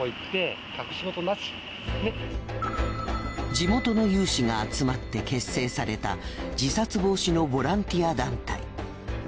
地元の有志が集まって結成された自殺防止のボランティア団体。